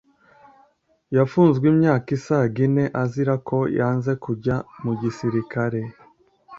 Yafunzwe imyaka isaga ine azira ko yanze kujya mu gisirikare